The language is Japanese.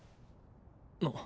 あっ。